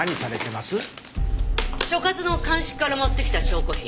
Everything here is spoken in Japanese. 所轄の鑑識から持ってきた証拠品。